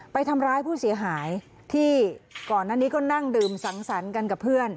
ไปทำร้ายผู้เสียหายที่ก่อนหน้านี้ก็นั่งดื่มสังสรรค์กันกับเพื่อน